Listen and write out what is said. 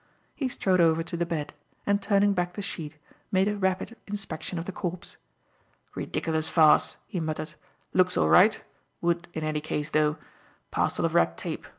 He strode over to the bed, and, turning back the sheet, made a rapid inspection of the corpse. "Ridiculous farce," he muttered. "Looks all right. Would, in any case though. Parcel of red tape.